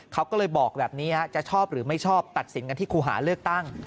เขาก็เลยบอกแบบนี้จะชอบหรือไม่ชอบตัดสินกันที่ครูหาเลือกตั้ง